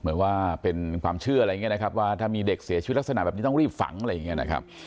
เหมือนว่าเป็นความเชื่ออะไรอย่างนี้นะครับว่าถ้ามีเด็กเสียชีวิตลักษณะแบบนี้ต้องรีบฝังอะไรอย่างนี้นะครับ